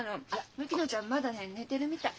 薫乃ちゃんまだね寝てるみたい。